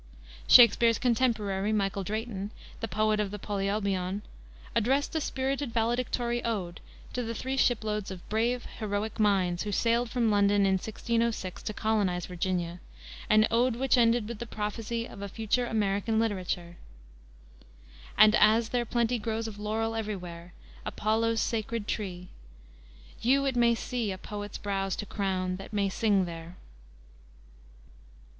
Shakspere's contemporary, Michael Drayton, the poet of the Polyolbion, addressed a spirited valedictory ode to the three shiploads of "brave, heroic minds" who sailed from London in 1606 to colonize Virginia; an ode which ended with the prophecy of a future American literature: "And as there plenty grows Of laurel every where, Apollo's sacred tree You it may see A poet's brows To crown, that may sing there."